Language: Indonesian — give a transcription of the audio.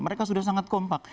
mereka sudah sangat kompak